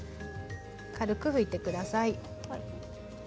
軽く拭いてください。